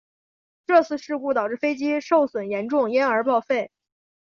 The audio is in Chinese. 这次事故导致飞机受损严重因而报废。